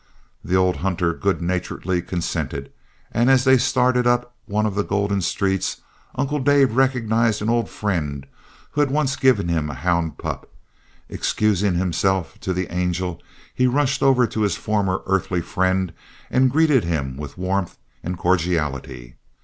The old hunter goodnaturedly consented, and as they started up one of the golden streets Uncle Dave recognized an old friend who had once given him a hound pup. Excusing himself to the angel, he rushed over to his former earthly friend and greeted him with warmth and cordiality.